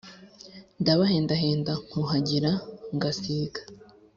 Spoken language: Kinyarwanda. ndabahendahenda, nkuhagira ngasiga